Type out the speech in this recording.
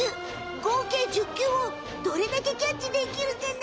ごうけい１０球をどれだけキャッチできるかな？